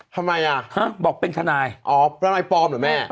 ทำไมอ่ะฮะบอกเป็นทนายอ๋อประนายปลอมเหรอแม่